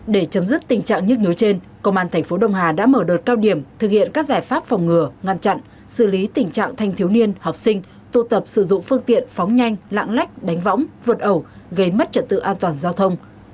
để chấm dứt tình trạng nhức nhớ trên công an thành phố đông hà đã mở đợt cao điểm thực hiện các giải pháp phòng ngừa ngăn chặn xử lý tình trạng thanh thiếu niên học sinh tu tập sử dụng phương tiện phóng nhanh lạng lách đánh võng vượt ẩu gây mất trật tự an toàn giao thông